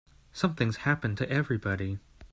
Something's happened to everybody.